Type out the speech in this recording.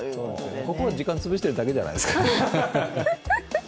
男は時間をつぶしてるだけじゃないですか。